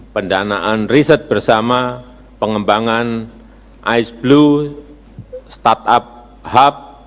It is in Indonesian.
pendanaan riset bersama pengembangan ice blue startup hub